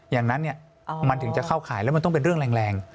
อย่างนั้นมันถึงจะเข้าข่ายแล้วมันต้องเป็นเรื่องแรง